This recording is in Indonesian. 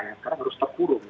yang sekarang harus terkurung